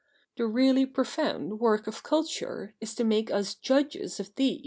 The really profound work of culture is to make us judges of these CH.